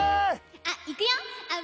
あっいくよあっ